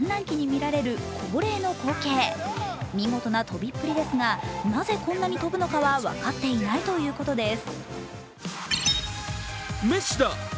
見事な跳びっぷりですが、なぜこんなに跳ぶのかは分かっていないということです。